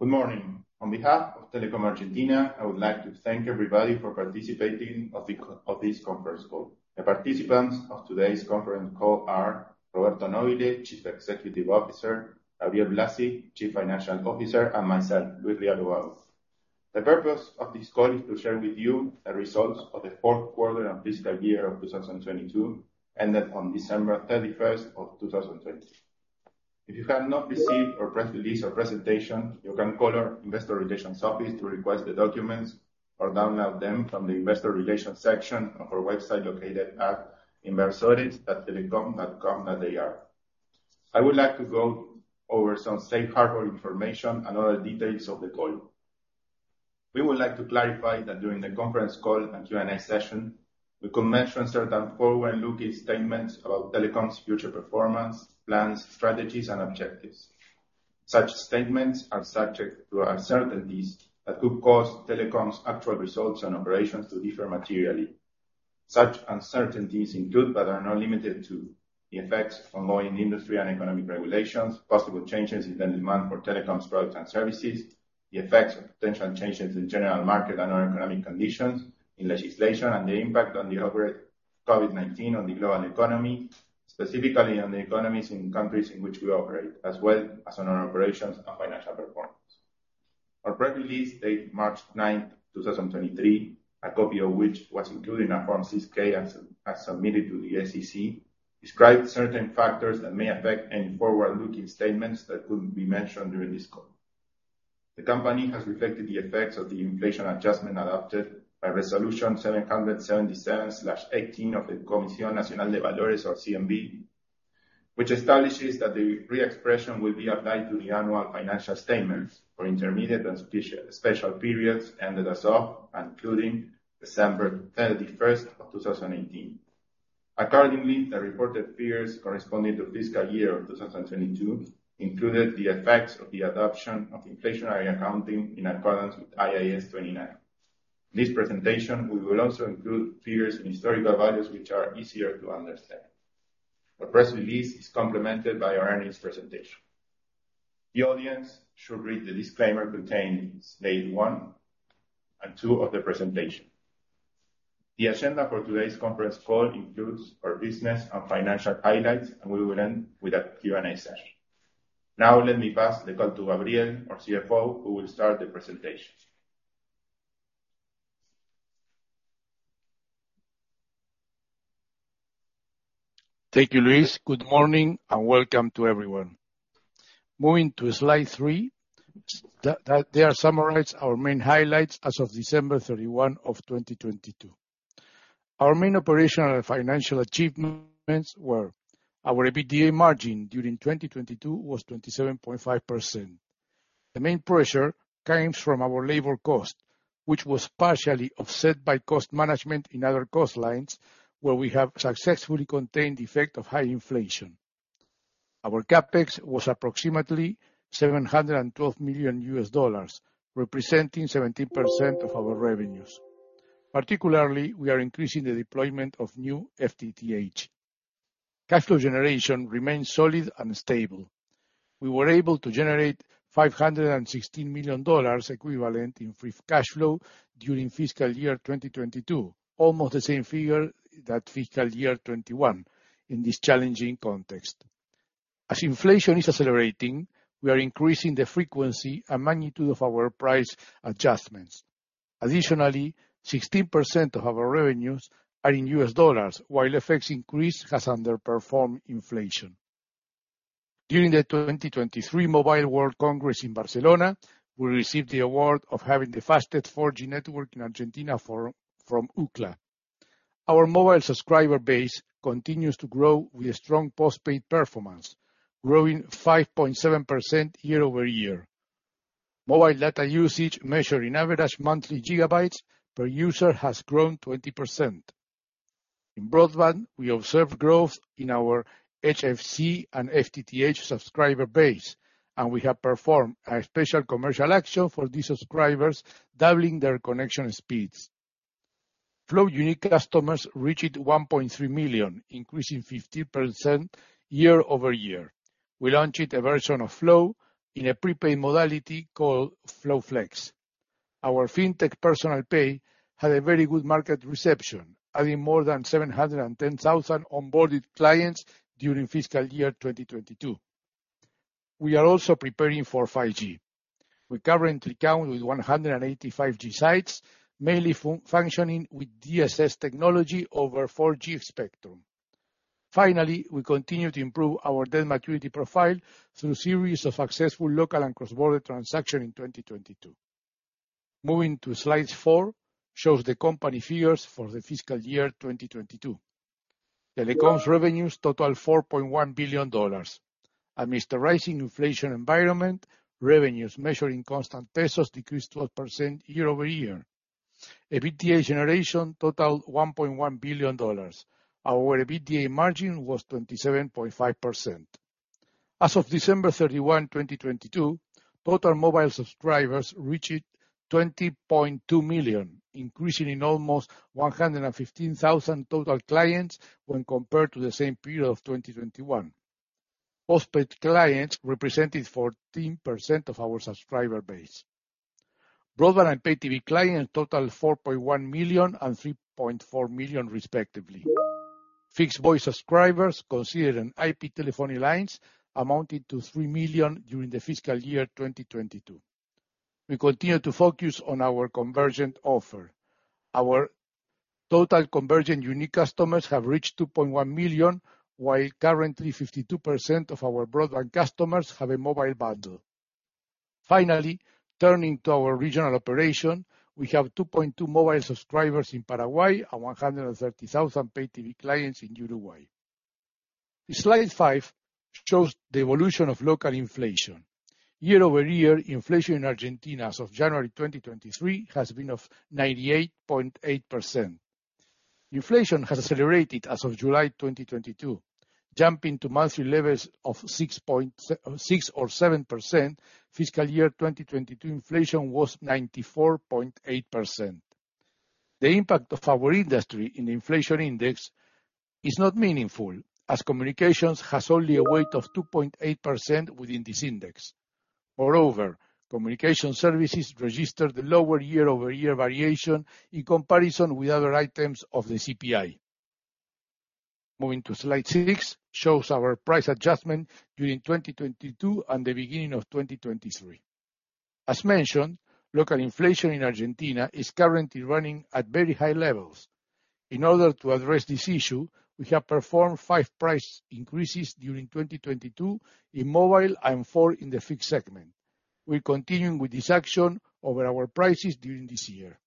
Good morning. On behalf of Telecom Argentina, I would like to thank everybody for participating of this conference call. The participants of today's conference call are Roberto Nobile, Chief Executive Officer, Gabriel Blasi, Chief Financial Officer, and myself, Luis Rial. The purpose of this call is to share with you the results of the fourth quarter and fiscal year of 2022, ended on December 31st of 2020. If you have not received our press release or presentation, you can call our investor relations office to request the documents or download them from the investor relations section of our website located at inversores.telecom.com.ar. I would like to go over some safe harbor information and other details of the call. We would like to clarify that during the conference call and Q&A session, we could mention certain forward-looking statements about Telecom's future performance, plans, strategies, and objectives. Such statements are subject to uncertainties that could cause Telecom's actual results and operations to differ materially. Such uncertainties include, but are not limited to, the effects from law and industry and economic regulations, possible changes in the demand for Telecom's products and services, the effects of potential changes in general market and our economic conditions, in legislation, and the impact on COVID-19 on the global economy, specifically on the economies in countries in which we operate, as well as on our operations and financial performance. Our press release, dated March 9th, 2023, a copy of which was included in our Form 6-K as submitted to the SEC, described certain factors that may affect any forward-looking statements that could be mentioned during this call. The company has reflected the effects of the inflation adjustment adopted by Resolution 777/18 of the Comisión Nacional de Valores or CNV, which establishes that the re-expression will be applied to the annual financial statements for intermediate and special periods ended as of and including December 31st, 2018. The reported figures corresponding to fiscal year 2022 included the effects of the adoption of inflationary accounting in accordance with IAS 29. This presentation, we will also include figures and historical values which are easier to understand. The press release is complemented by our earnings presentation. The audience should read the disclaimer contained in slide one and two of the presentation. The agenda for today's conference call includes our business and financial highlights, and we will end with a Q&A session. Now let me pass the call to Gabriel, our CFO, who will start the presentation. Thank you, Luis. Good morning and welcome to everyone. Moving to slide three, that there summarize our main highlights as of December 31 of 2022. Our main operational and financial achievements were: Our EBITDA margin during 2022 was 27.5%. The main pressure comes from our labor cost, which was partially offset by cost management in other cost lines where we have successfully contained the effect of high inflation. Our CapEx was approximately $712 million, representing 17% of our revenues. Particularly, we are increasing the deployment of new FTTH. Cash flow generation remains solid and stable. We were able to generate $516 million equivalent in free cash flow during fiscal year 2022, almost the same figure that fiscal year 2021 in this challenging context. As inflation is accelerating, we are increasing the frequency and magnitude of our price adjustments. Additionally, 16% of our revenues are in U.S. dollars, while FX increase has underperformed inflation. During the 2023 Mobile World Congress in Barcelona, we received the award of having the fastest 4G network in Argentina for, from Ookla. Our mobile subscriber base continues to grow with a strong post-paid performance, growing 5.7% year-over-year. Mobile data usage measured in average monthly gigabytes per user has grown 20%. In broadband, we observed growth in our HFC and FTTH subscriber base, and we have performed a special commercial action for these subscribers, doubling their connection speeds. Flow unique customers reached 1.3 million, increasing 15% year-over-year. We launched a version of Flow in a prepaid modality called Flow Flex. Our fintech Personal Pay had a very good market reception, adding more than 710,000 onboarded clients during fiscal year 2022. We are also preparing for 5G. We currently count with 180 5G sites, mainly functioning with DSS technology over 4G spectrum. We continue to improve our debt maturity profile through series of successful local and cross-border transaction in 2022. Moving to slides four, shows the company figures for the fiscal year 2022. Telecom's revenues totaled $4.1 billion. Amidst the rising inflation environment, revenues measuring constant pesos decreased 12% year-over-year. EBITDA generation totaled $1.1 billion. Our EBITDA margin was 27.5%. As of December 31, 2022, total mobile subscribers reached 20.2 million, increasing in almost 115,000 total clients when compared to the same period of 2021. Postpaid clients represented 14% of our subscriber base. Broadband and Pay TV clients totaled 4.1 million and 3.4 million respectively. Fixed voice subscribers considering IP telephony lines amounted to 3 million during the fiscal year 2022. We continue to focus on our convergent offer. Our total convergent unique customers have reached 2.1 million, while currently 52% of our broadband customers have a mobile bundle. Finally, turning to our regional operation, we have 2.2 million mobile subscribers in Paraguay and 130,000 Pay TV clients in Uruguay. Slide five shows the evolution of local inflation. Year-over-year inflation in Argentina as of January 2023 has been of 98.8%. Inflation has accelerated as of July 2022, jumping to monthly levels of 6% or 7%. Fiscal year 2022 inflation was 94.8%. The impact of our industry in the inflation index is not meaningful, as communications has only a weight of 2.8% within this index. Moreover, communication services registered the lower year-over-year variation in comparison with other items of the CPI. Moving to slide six shows our price adjustment during 2022 and the beginning of 2023. As mentioned, local inflation in Argentina is currently running at very high levels. In order to address this issue, we have performed five price increases during 2022 in mobile and four in the fixed segment. We're continuing with this action over our prices during this year.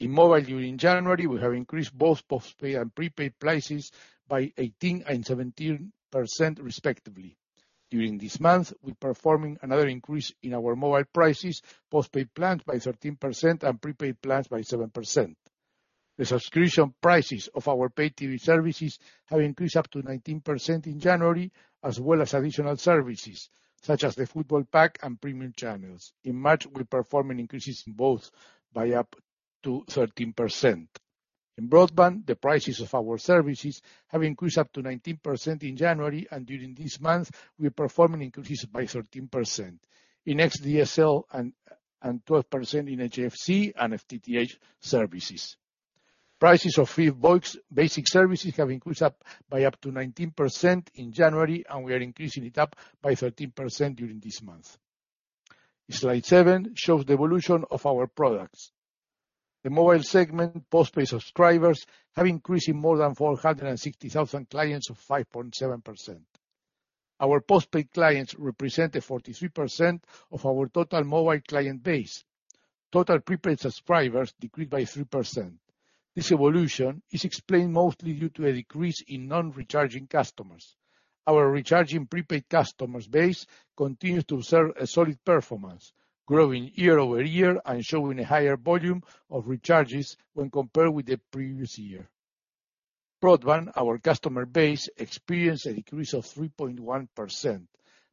In mobile during January, we have increased both postpaid and prepaid prices by 18% and 17% respectively. During this month, we're performing another increase in our mobile prices, postpaid plans by 13% and prepaid plans by 7%. The subscription prices of our Pay TV services have increased up to 19% in January, as well as additional services such as the football pack and premium channels. In March, we're performing increases in both by up to 13%. In broadband, the prices of our services have increased up to 19% in January, and during this month we're performing increases by 13%. In xDSL and 12% in HFC and FTTH services. Prices of fixed voice basic services have increased up to 19% in January. We are increasing it up by 13% during this month. Slide seven shows the evolution of our products. The mobile segment postpaid subscribers have increased in more than 460,000 clients of 5.7%. Our postpaid clients represent a 43% of our total mobile client base. Total prepaid subscribers decreased by 3%. This evolution is explained mostly due to a decrease in non-recharging customers. Our recharging prepaid customers base continues to observe a solid performance, growing year-over-year and showing a higher volume of recharges when compared with the previous year. Broadband, our customer base, experienced a decrease of 3.1%,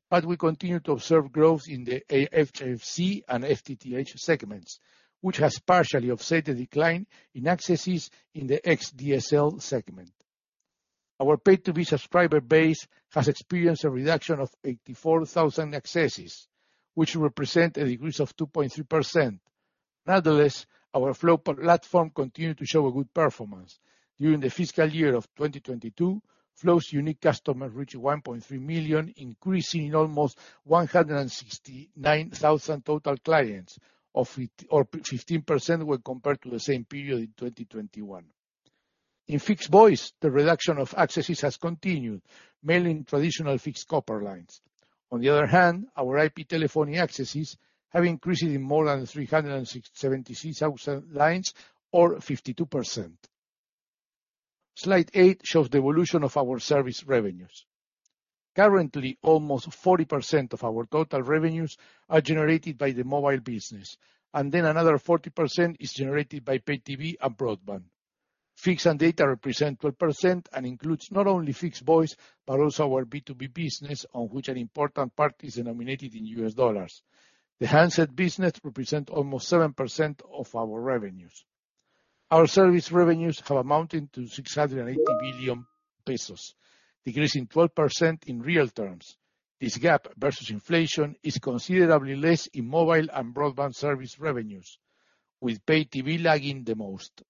but we continue to observe growth in the HFC and FTTH segments, which has partially offset a decline in accesses in the xDSL segment. Our Pay TV subscriber base has experienced a reduction of 84,000 accesses, which represent a decrease of 2.3%. Nonetheless, our Flow platform continued to show a good performance. During the fiscal year of 2022, Flow's unique customers reached 1.3 million, increasing in almost 169,000 total clients or 15% when compared to the same period in 2021. In fixed voice, the reduction of accesses has continued, mainly in traditional fixed copper lines. On the other hand, our IP telephony accesses have increased in more than 376,000 lines or 52%. Slide eight shows the evolution of our service revenues. Currently, almost 40% of our total revenues are generated by the mobile business, and then another 40% is generated by Pay TV and broadband. Fixed and data represent 12% and includes not only fixed voice, but also our B2B business, on which an important part is denominated in U.S. dollars. The handset business represents almost 7% of our revenues. Our service revenues have amounted to 680 billion pesos, decreasing 12% in real terms. This gap versus inflation is considerably less in mobile and broadband service revenues, with Pay TV lagging the most.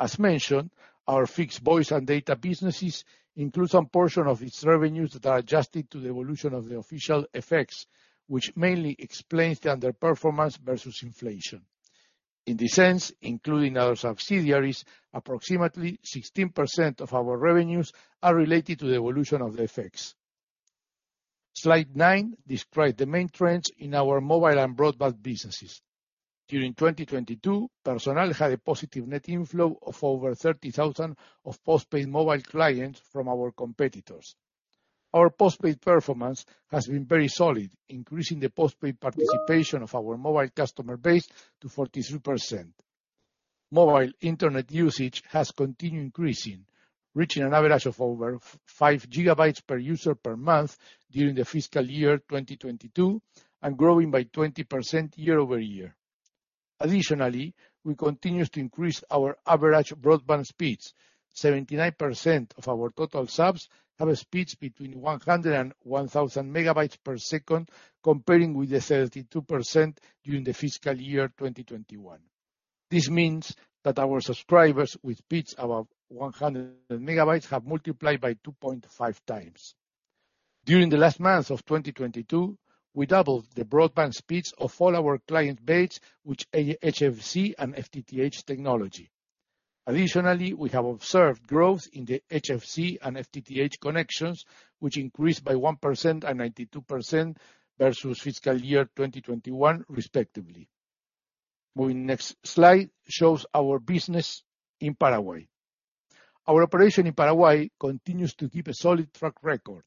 As mentioned, our fixed voice and data businesses include some portion of its revenues that are adjusted to the evolution of the official FX, which mainly explains the underperformance versus inflation. In this sense, including other subsidiaries, approximately 16% of our revenues are related to the evolution of the FX. Slide nine describes the main trends in our mobile and broadband businesses. During 2022, Personal had a positive net inflow of over 30,000 of postpaid mobile clients from our competitors. Our postpaid performance has been very solid, increasing the postpaid participation of our mobile customer base to 43%. Mobile internet usage has continued increasing, reaching an average of over 5 GB per user per month during the fiscal year 2022, and growing by 20% year-over-year. Additionally, we continues to increase our average broadband speeds. 79% of our total subs have a speeds between 100 and 1,000 Mbps, comparing with the 32% during the fiscal year 2021. This means that our subscribers with speeds above 100 MB have multiplied by 2.5x. During the last months of 2022, we doubled the broadband speeds of all our client base, which HFC and FTTH technology. Additionally, we have observed growth in the HFC and FTTH connections, which increased by 1% and 92% versus fiscal year 2021 respectively. Moving next slide shows our business in Paraguay. Our operation in Paraguay continues to keep a solid track record.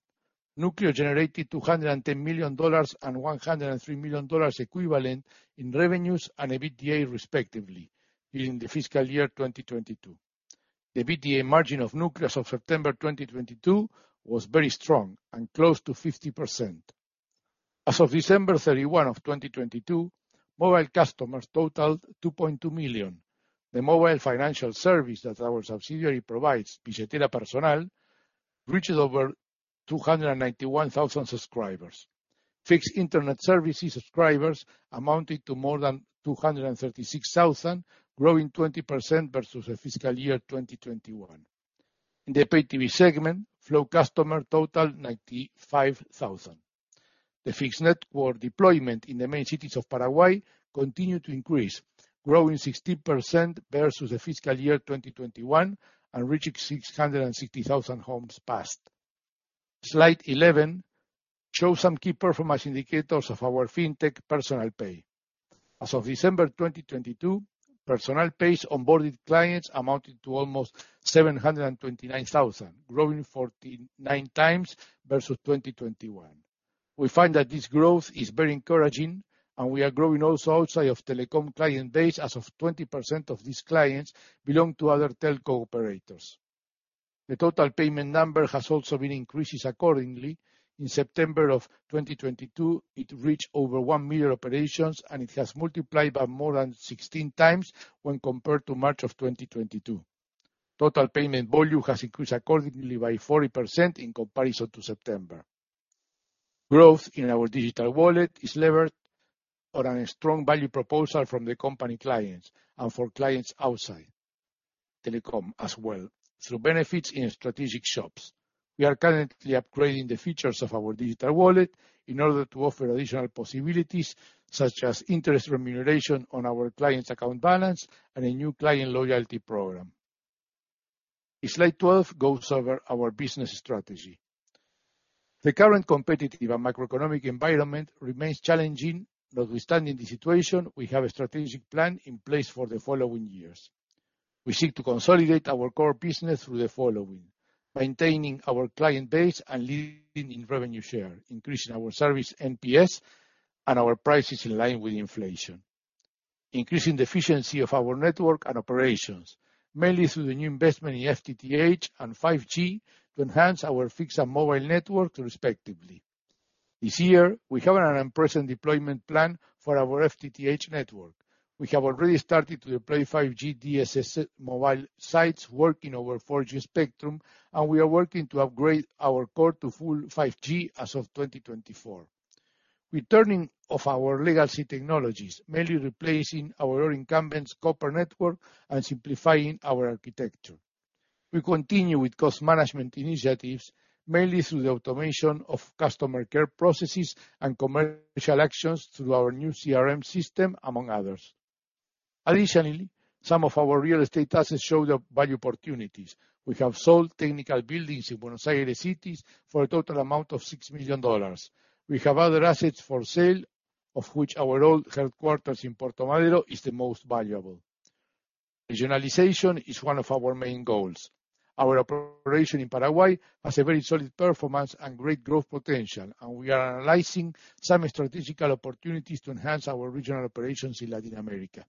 Núcleo generated $210 million and $103 million equivalent in revenues and EBITDA respectively during the fiscal year 2022. The EBITDA margin of Núcleo's of September 2022 was very strong and close to 50%. As of December 31 of 2022, mobile customers totaled 2.2 million. The mobile financial service that our subsidiary provides, Billetera Personal, reaches over 291,000 subscribers. Fixed Internet services subscribers amounted to more than 236,000, growing 20% versus the fiscal year 2021. In the Pay TV segment, Flow customer total 95,000. The fixed network deployment in the main cities of Paraguay continued to increase, growing 16% versus the fiscal year 2021 and reaching 660,000 homes passed. Slide 11 show some key performance indicators of our fintech, Personal Pay. As of December 2022, Personal Pay's onboarded clients amounted to almost 729,000, growing 49x versus 2021. We find that this growth is very encouraging. We are growing also outside of Telecom client base as of 20% of these clients belong to other telco operators. The total payment number has also been increases accordingly. In September 2022, it reached over 1 million operations, it has multiplied by more than 16x when compared to March 2022. Total payment volume has increased accordingly by 40% in comparison to September. Growth in our digital wallet is levered on a strong value proposal from the company clients and for clients outside Telecom as well through benefits in strategic shops. We are currently upgrading the features of our digital wallet in order to offer additional possibilities, such as interest remuneration on our clients account balance and a new client loyalty program. The slide 12 goes over our business strategy. The current competitive and macroeconomic environment remains challenging. Notwithstanding the situation, we have a strategic plan in place for the following years. We seek to consolidate our core business through the following: maintaining our client base and leading in revenue share, increasing our service NPS and our prices in line with inflation. Increasing the efficiency of our network and operations, mainly through the new investment in FTTH and 5G to enhance our fixed and mobile network respectively. This year, we have an impressive deployment plan for our FTTH network. We have already started to deploy 5G DSS mobile sites working over 4G spectrum, and we are working to upgrade our core to full 5G as of 2024. Returning of our legacy technologies, mainly replacing our incumbents copper network and simplifying our architecture. We continue with cost management initiatives, mainly through the automation of customer care processes and commercial actions through our new CRM system, among others. Additionally, some of our real estate assets show the value opportunities. We have sold technical buildings in Buenos Aires cities for a total amount of $6 million. We have other assets for sale, of which our old headquarters in Puerto Madero is the most valuable. Regionalization is one of our main goals. Our operation in Paraguay has a very solid performance and great growth potential, and we are analyzing some strategic opportunities to enhance our regional operations in Latin America.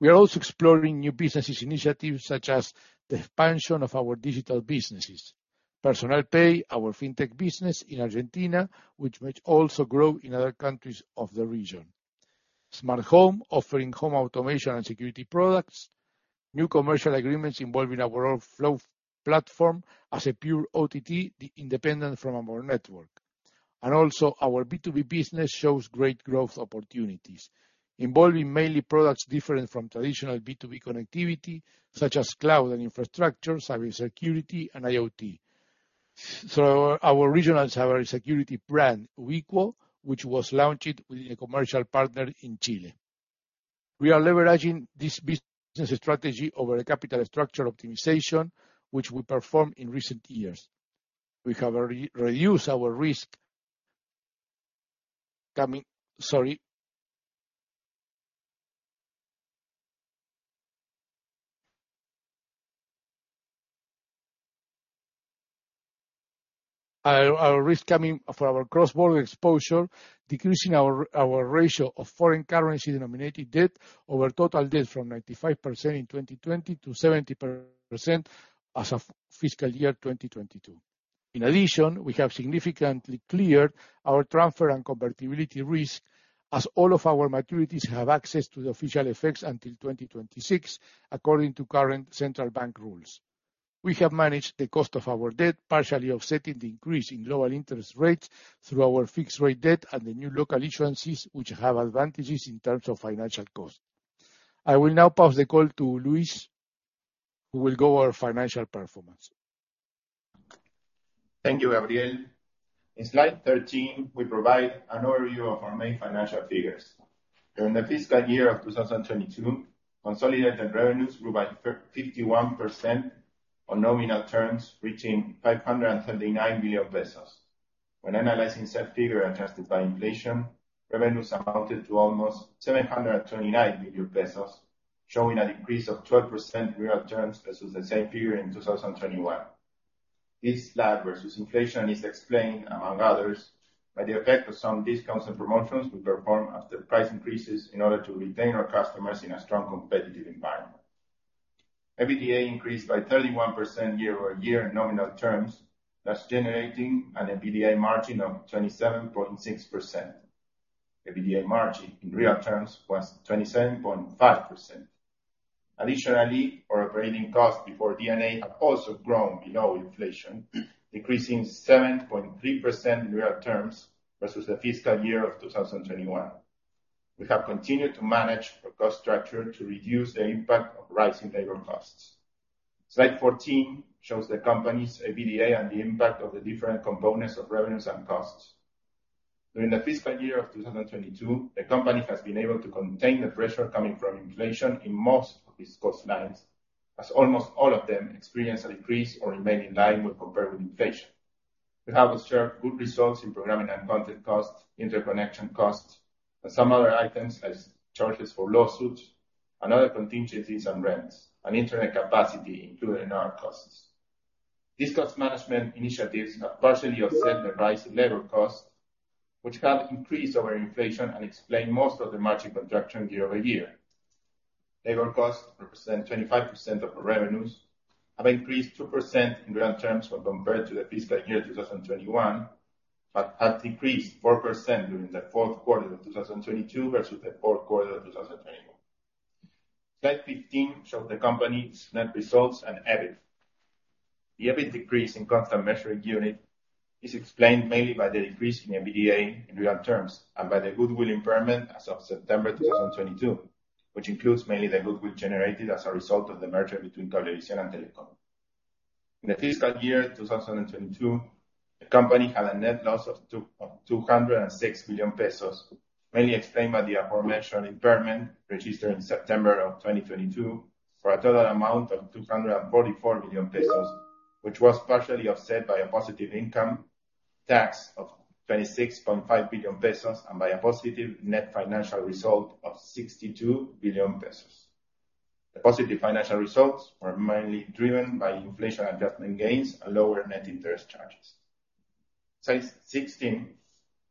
We are also exploring new businesses initiatives such as the expansion of our digital businesses. Personal Pay, our fintech business in Argentina, which may also grow in other countries of the region. Smarthome, offering home automation and security products, new commercial agreements involving our Flow platform as a pure OTT independent from our network. Also our B2B business shows great growth opportunities, involving mainly products different from traditional B2B connectivity, such as cloud and infrastructure, cybersecurity, and IoT. Our regional cybersecurity brand, Ubiquo, which was launched with a commercial partner in Chile. We are leveraging this business strategy over a capital structure optimization which we performed in recent years. We have re-reduced our risk. Sorry. Our risk coming for our cross-border exposure, decreasing our ratio of foreign currency denominated debt over total debt from 95% in 2020 to 70% as of fiscal year 2022. In addition, we have significantly cleared our transfer and convertibility risk as all of our maturities have access to the official FX until 2026 according to current central bank rules. We have managed the cost of our debt, partially offsetting the increase in lower interest rates through our fixed rate debt and the new local issuances, which have advantages in terms of financial cost. I will now pass the call to Luis, who will go over financial performance. Thank you, Gabriel. In slide 13, we provide an overview of our main financial figures. During the fiscal year of 2022, consolidated revenues grew by 51% on nominal terms, reaching 539 billion pesos. When analyzing said figure adjusted by inflation, revenues amounted to almost 729 billion pesos, showing an increase of 12% real terms versus the same figure in 2021. This lag versus inflation is explained, among others, by the effect of some discounts and promotions we performed after price increases in order to retain our customers in a strong competitive environment. EBITDA increased by 31% year-over-year nominal terms, thus generating an EBITDA margin of 27.6%. EBITDA margin in real terms was 27.5%. Additionally, our operating costs before D&A have also grown below inflation, decreasing 7.3% in real terms versus the fiscal year of 2021. We have continued to manage our cost structure to reduce the impact of rising labor costs. Slide 14 shows the company's EBITDA and the impact of the different components of revenues and costs. During the fiscal year of 2022, the company has been able to contain the pressure coming from inflation in most of these cost lines, as almost all of them experienced an increase or remain in line when compared with inflation. We have observed good results in programming and content costs, interconnection costs, and some other items as charges for lawsuits and other contingencies on rents and internet capacity, including our costs. These cost management initiatives have partially offset the rise in labor costs, which have increased over inflation and explain most of the margin contraction year-over-year. Labor costs represent 25% of the revenues, have increased 2% in real terms when compared to the fiscal year 2021, but have decreased 4% during the fourth quarter of 2022 versus the fourth quarter of 2021. Slide 15 shows the company's net results and EBIT. The EBIT decrease in constant measuring unit is explained mainly by the decrease in EBITDA in real terms and by the goodwill impairment as of September 2022, which includes mainly the goodwill generated as a result of the merger between Cablevisión and Telecom. In the fiscal year 2022, the company had a net loss of 206 billion pesos, mainly explained by the aforementioned impairment registered in September 2022 for a total amount of 244 billion pesos, which was partially offset by a positive income tax of 26.5 billion pesos and by a positive net financial result of 62 billion pesos. The positive financial results were mainly driven by inflation adjustment gains and lower net interest charges. Slide 16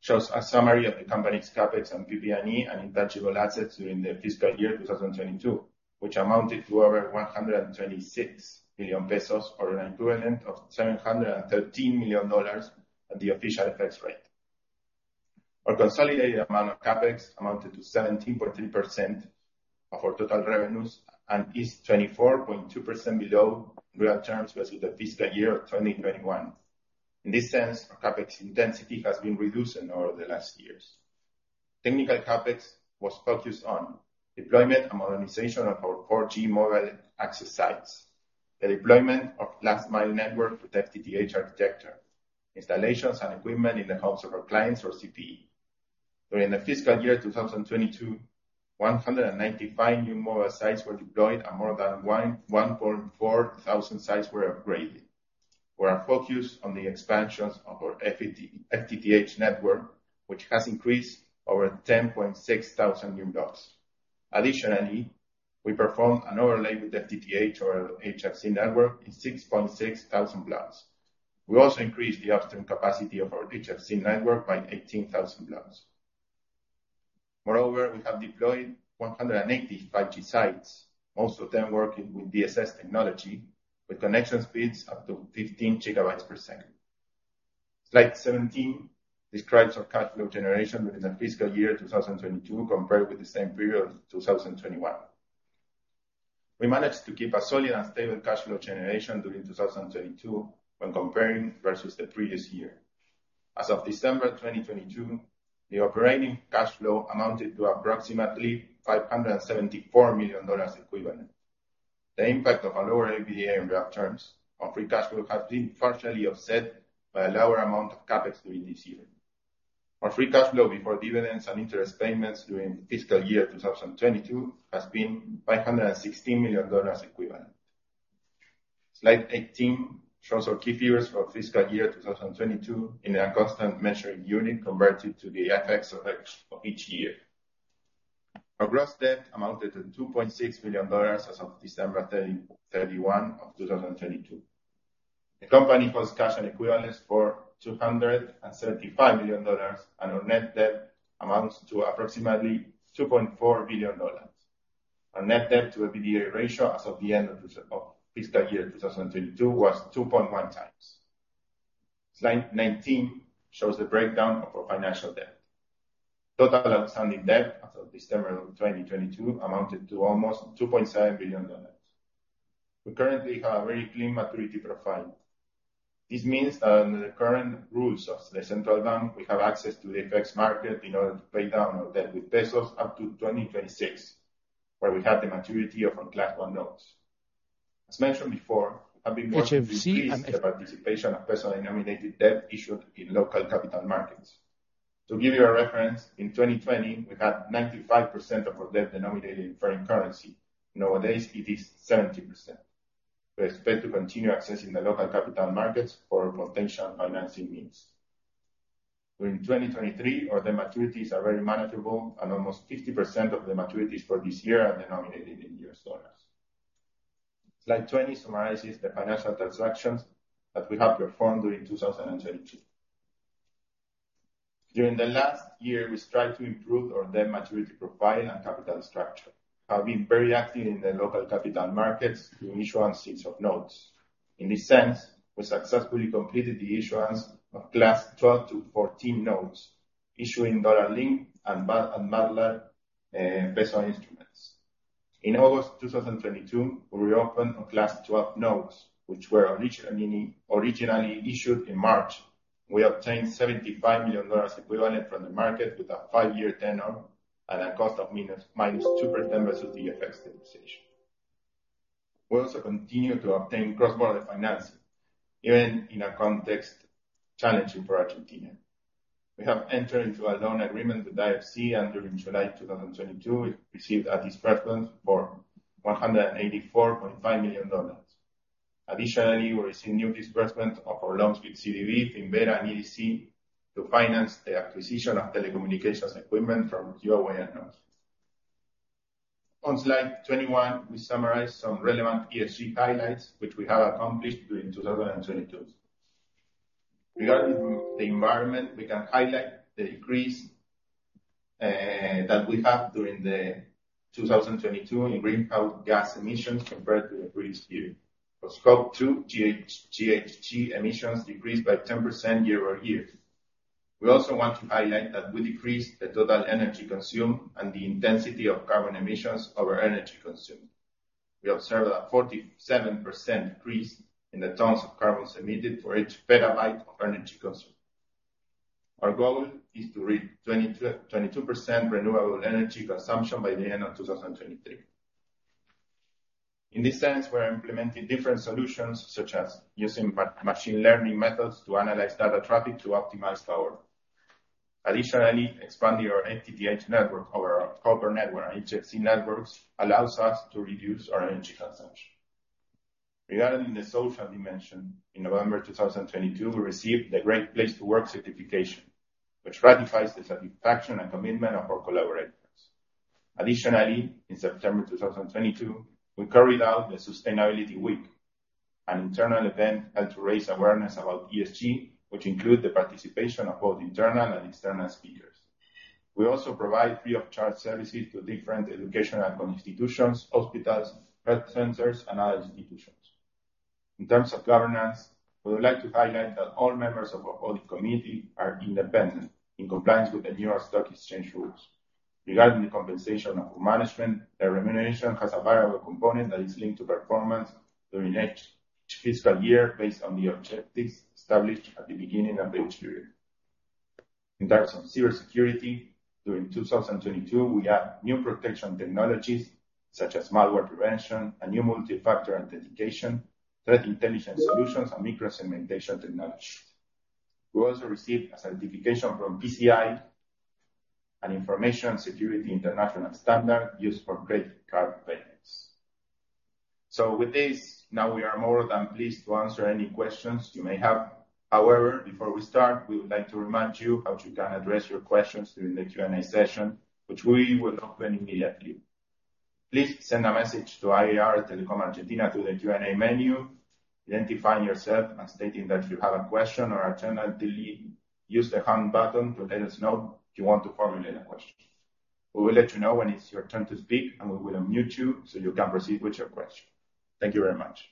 shows a summary of the company's CapEx and PP&E and intangible assets during the fiscal year 2022, which amounted to over 126 billion pesos or an equivalent of $713 million at the official effects rate. Our consolidated amount of CapEx amounted to 17.3% of our total revenues and is 24.2% below real terms versus the fiscal year of 2021. In this sense, our CapEx intensity has been reduced in all of the last years. Technical CapEx was focused on deployment and modernization of our 4G mobile access sites, the deployment of last mile network with FTTH architecture, installations and equipment in the homes of our clients or CPE. During the fiscal year 2022, 195 new mobile sites were deployed and more than 1,400 sites were upgraded. We are focused on the expansions of our FTTH network, which has increased over 10,600 new blocks. We performed an overlay with FTTH or HFC network in 6,600 blocks. We also increased the upstream capacity of our HFC network by 18,000 blocks. We have deployed 180 5G sites, most of them working with DSS technology with connection speeds up to 15 Gbps. Slide 17 describes our cash flow generation within the fiscal year 2022 compared with the same period of 2021. We managed to keep a solid and stable cash flow generation during 2022 when comparing versus the previous year. As of December 2022, the operating cash flow amounted to approximately $574 million equivalent. The impact of a lower EBITDA in real terms on free cash flow has been partially offset by a lower amount of CapEx during this year. Our free cash flow before dividends and interest payments during fiscal year 2022 has been $516 million equivalent. Slide 18 shows our key figures for fiscal year 2022 in a constant measuring unit compared to the FX of each year. Our gross debt amounted to $2.6 million as of December 31 of 2022. The company holds cash and equivalents for $235 million, and our net debt amounts to approximately $2.4 billion. Our net debt to EBITDA ratio as of the end of fiscal year 2022 was 2.1x. Slide 19 shows the breakdown of our financial debt. Total outstanding debt as of December of 2022 amounted to almost $2.7 billion. We currently have a very clean maturity profile. This means that under the current rules of the central bank, we have access to the FX market in order to pay down our debt with pesos up to 2026, where we have the maturity of our Class 1 Notes. As mentioned before, we have been working to increase the participation of peso-denominated debt issued in local capital markets. To give you a reference, in 2020, we had 95% of our debt denominated in foreign currency. Nowadays, it is 70%. We expect to continue accessing the local capital markets for potential financing needs. During 2023, our debt maturities are very manageable, and almost 50% of the maturities for this year are denominated in U.S. dollars. Slide 20 summarizes the financial transactions that we have performed during 2022. During the last year, we strive to improve our debt maturity profile and capital structure. Have been very active in the local capital markets through issuance seats of notes. In this sense, we successfully completed the issuance of Class 12 to Class 14 Notes, issuing dollar-linked and BADLAR peso instruments. In August 2022, we reopened our Class 12 Notes, which were originally issued in March. We obtained $75 million equivalent from the market with a five-year tenure and a cost of minus 2% versus the FX depreciation. We also continue to obtain cross-border financing, even in a context challenging for Argentina. We have entered into a loan agreement with IFC, and during July 2022, we received a disbursement for $184.5 million. Additionally, we received new disbursement of our loans with CDB, Finnvera, and EDC to finance the acquisition of telecommunications equipment from Huawei and Nokia. On slide 21, we summarize some relevant ESG highlights which we have accomplished during 2022. Regarding the environment, we can highlight the decrease that we have during 2022 in greenhouse gas emissions compared to the previous year. For scope 2 GHG emissions decreased by 10% year-over-year. We also want to highlight that we decreased the total energy consumed and the intensity of carbon emissions over energy consumed. We observed a 47% decrease in the tons of carbons emitted for each petabyte of energy consumed. Our goal is to reach 22% renewable energy consumption by the end of 2023. In this sense, we are implementing different solutions, such as using machine learning methods to analyze data traffic to optimize power. Additionally, expanding our FTTH network over our copper network and HFC networks allows us to reduce our energy consumption. Regarding the social dimension, in November 2022, we received the Great Place To Work certification, which ratifies the satisfaction and commitment of our collaborators. Additionally, in September 2022, we carried out the Sustainability Week, an internal event held to raise awareness about ESG, which include the participation of both internal and external speakers. We also provide free-of-charge services to different educational institutions, hospitals, health centers, and other institutions. In terms of governance, we would like to highlight that all members of our audit committee are independent, in compliance with the New York Stock Exchange rules. Regarding the compensation of our management, their remuneration has a variable component that is linked to performance during each fiscal year based on the objectives established at the beginning of each period. In terms of cybersecurity, during 2022, we add new protection technologies such as malware prevention, a new multi-factor authentication, threat intelligence solutions, and micro-segmentation technologies. We also received a certification from PCI, an information security international standard used for credit card payments. With this, now we are more than pleased to answer any questions you may have. However, before we start, we would like to remind you how you can address your questions during the Q&A session, which we will open immediately. Please send a message to IR Telecom Argentina through the Q&A menu, identifying yourself and stating that you have a question, or alternatively use the hand button to let us know if you want to formulate a question. We will let you know when it's your turn to speak, and we will unmute you so you can proceed with your question. Thank you very much.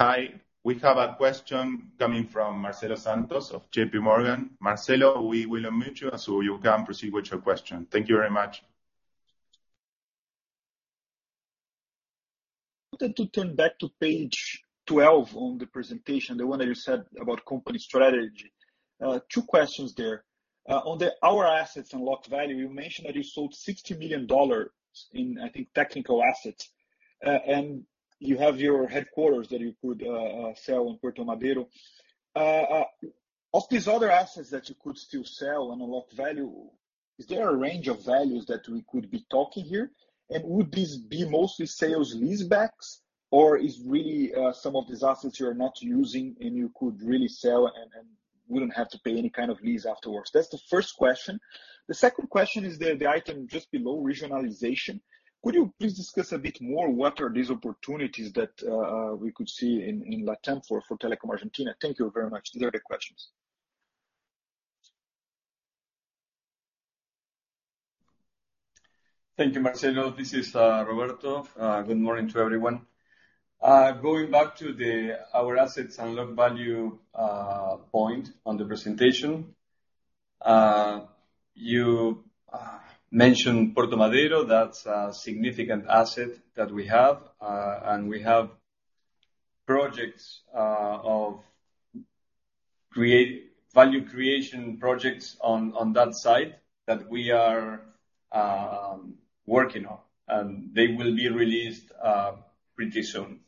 Hi, we have a question coming from Marcelo Santos of JPMorgan. Marcelo, we will unmute you, so you can proceed with your question. Thank you very much. I wanted to turn back to page 12 on the presentation, the one that you said about company strategy. Two questions there. On the hour assets and locked value, you mentioned that you sold $60 million in, I think, technical assets. You have your headquarters that you could sell in Puerto Madero. Of these other assets that you could still sell and unlock value, is there a range of values that we could be talking here? Would these be mostly sales leasebacks, or is really some of these assets you're not using, and you could really sell and wouldn't have to pay any kind of lease afterwards? That's the first question. The second question is the item just below regionalization. Could you please discuss a bit more what are these opportunities that we could see in LATAM for Telecom Argentina? Thank you very much. These are the questions. Thank you, Marcelo. This is Roberto. Good morning to everyone. Going back to our assets unlock value point on the presentation. You mentioned Puerto Madero, that's a significant asset that we have. We have projects of value creation projects on that site that we are working on, and they will be released pretty soon.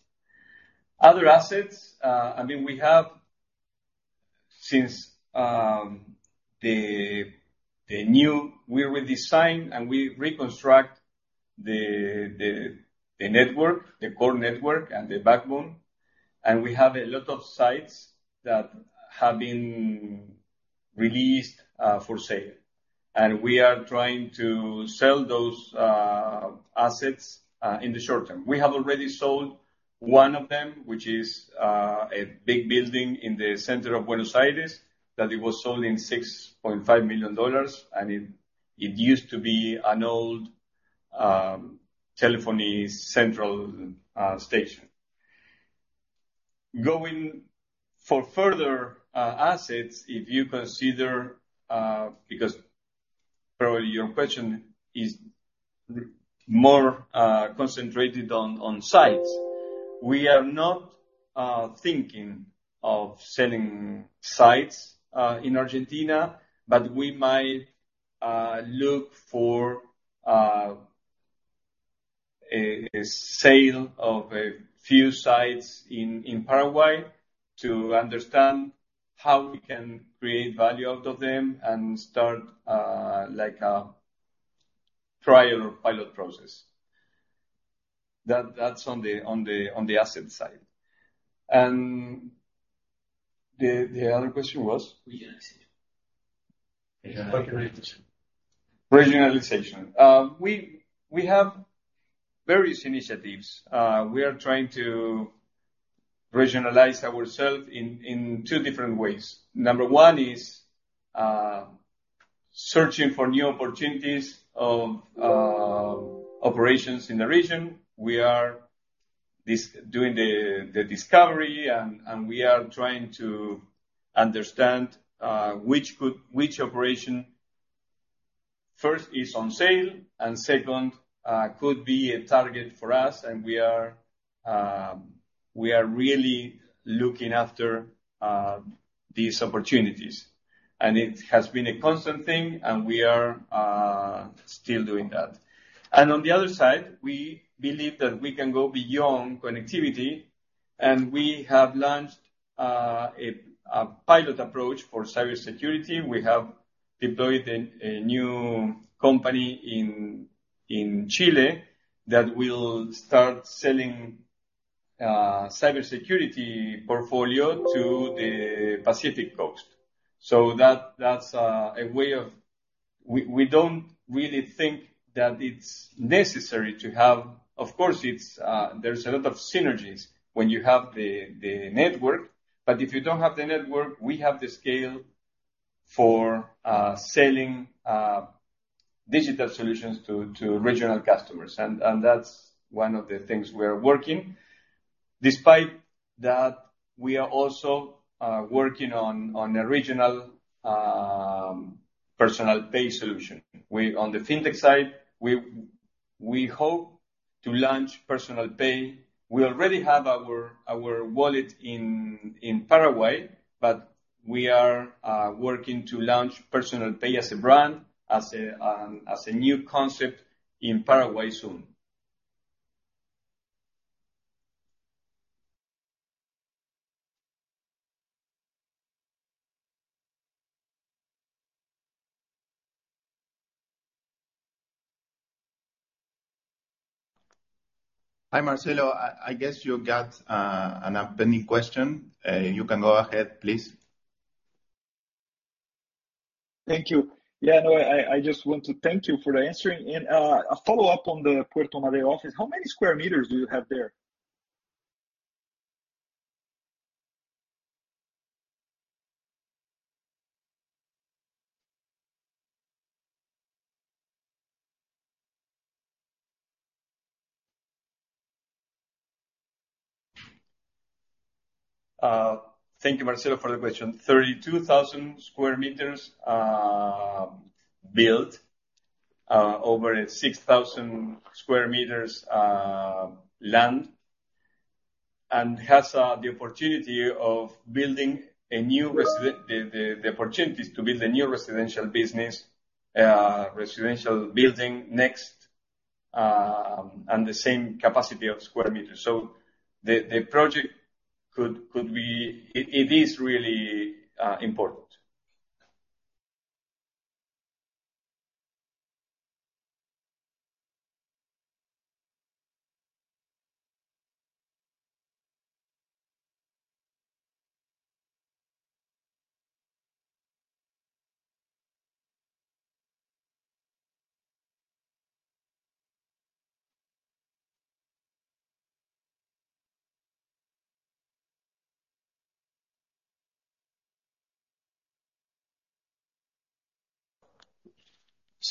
Other assets, I mean, we have since We redesign and we reconstruct the network, the core network and the backbone, and we have a lot of sites that have been released for sale, and we are trying to sell those assets in the short-term. We have already sold one of them, which is a big building in the center of Buenos Aires, that it was sold in $6.5 million. I mean, it used to be an old telephony central station. Going for further assets, if you consider, because probably your question is more concentrated on sites. We are not thinking of selling sites in Argentina, but we might look for a sale of a few sites in Paraguay to understand how we can create value out of them and start like a trial or pilot process. That's on the asset side. The other question was? Regionalization. Okay. Regionalization. We have various initiatives. We are trying to regionalize ourselves in two different ways. Number one is searching for new opportunities of operations in the region. We are doing the discovery, and we are trying to understand which operation, first is on sale and second, could be a target for us. We are really looking after these opportunities. It has been a constant thing, and we are still doing that. On the other side, we believe that we can go beyond connectivity, and we have launched a pilot approach for cybersecurity. We have deployed a new company in Chile that will start selling cybersecurity portfolio to the Pacific Coast. That's a way of. We don't really think that it's necessary to have. Of course, it's, there's a lot of synergies when you have the network, but if you don't have the network, we have the scale for selling digital solutions to regional customers. That's one of the things we are working. Despite that, we are also working on a regional Personal Pay solution. On the fintech side, we hope to launch Personal Pay. We already have our wallet in Paraguay, but we are working to launch Personal Pay as a brand, as a new concept in Paraguay soon. Hi, Marcelo. I guess you got an upcoming question. You can go ahead, please. Thank you. Yeah, no, I just want to thank you for the answering. A follow-up on the Puerto Madero office. How many square meters do you have there? Thank you, Marcelo, for the question. 32,000 sqm built over 6,000 sqm land, and has the opportunities to build a new residential business, residential building next, and the same capacity of square meters. The project could be... It is really important.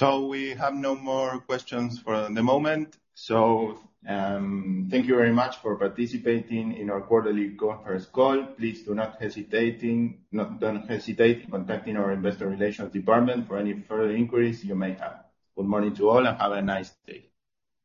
We have no more questions for the moment. Thank you very much for participating in our quarterly conference call. Please do not hesitating... Don't hesitate contacting our investor relations department for any further inquiries you may have. Good morning to all, and have a nice day.